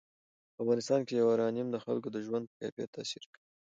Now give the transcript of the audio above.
په افغانستان کې یورانیم د خلکو د ژوند په کیفیت تاثیر کوي.